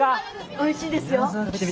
おいしいですよ。